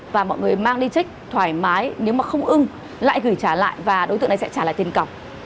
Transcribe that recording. và mọi người mang đi trích thoải mái nếu mà không ưng lại gửi trả lại và đối tượng này sẽ trả lại tiền cọc